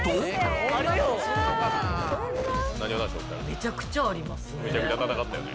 めちゃくちゃありますね。